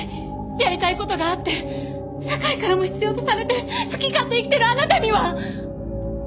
やりたい事があって社会からも必要とされて好き勝手に生きてるあなたには！